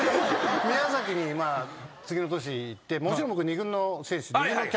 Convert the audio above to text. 宮崎に次の年行ってもちろん僕２軍の選手。